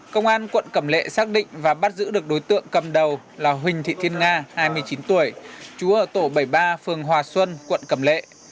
công an quận cẩm lệ xác định và bắt giữ được đối tượng cầm đầu là huỳnh thị thiên nga hai mươi chín tuổi chú ở tổ bảy mươi ba phường hòa xuân quận cẩm lệ